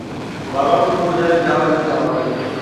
বার বার মনকে বুঝাইলেন-যাহা হইল, তাহা ভালোই হইল।